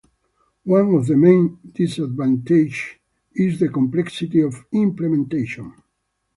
One of the main disadvantages is the complexity of implementation.